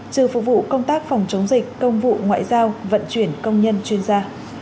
trừ phục vụ công tác phòng chống dịch công vụ ngoại giao vận chuyển công nhân chuyên gia